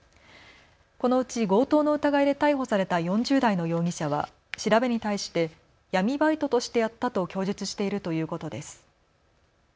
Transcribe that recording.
このうち強盗の疑いで逮捕された４０代の容疑者は調べに対して闇バイトとしてやったと供述しているということです。